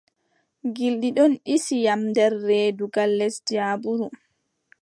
Gilɗi ɗon ɗisi yam nder reedu gal les jaabuuru.